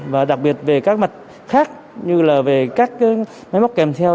và đặc biệt về các mặt khác như là về các máy móc kèm theo